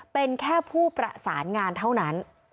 เป็นแค่ผู้ประสานงานเท่านั้น